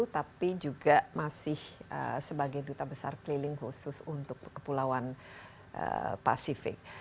tapi juga masih sebagai duta besar keliling khusus untuk kepulauan pasifik